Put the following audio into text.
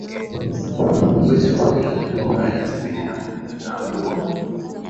mwezi wa kumi na moja mwaka elfu mbili na kumi na tano